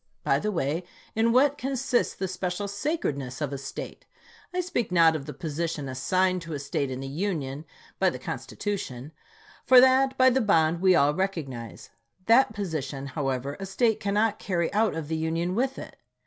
By the way, in what consists the chap.xix. special sacredness of a State ? I speak not of the position assigned to a State in the Union, by the Constitution ; for that, by the bond, we all recognize. That position, however, a State cannot carry out of the Union with it.